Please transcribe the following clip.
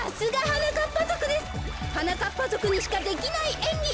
はなかっぱぞくにしかできないえんぎ。